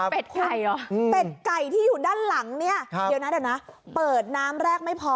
เป็ดไก่ที่อยู่ด้านหลังเนี่ยเดี๋ยวนะเปิดน้ำแรกไม่พอ